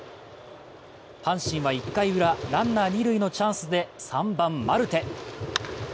阪神は１回ウラ、ランナー二塁のチャンスで３番・マルテ。